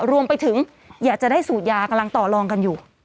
อยากจะได้สูตรยากำลังต่อลองกันอยู่